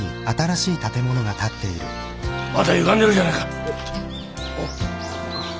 まだゆがんでるじゃないか。